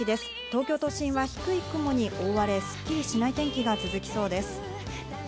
東京都心は低い雲に覆われ、すっきりしない天気が続きそうです。